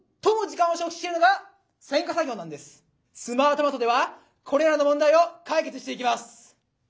「スマートマト」ではこれらの問題を解決していきます。